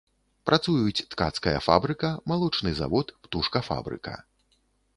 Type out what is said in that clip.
Працуюць ткацкая фабрыка, малочны завод, птушкафабрыка.